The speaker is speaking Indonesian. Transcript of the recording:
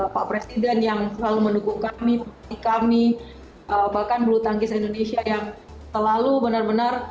pak presiden yang selalu mendukung kami bahkan blue tankist indonesia yang selalu benar benar